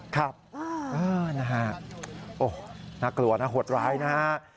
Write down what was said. ครับน่ากลัวนะหวดร้ายนะ